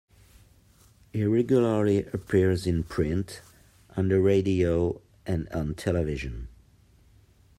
He regularly appears in print, on the radio and on television.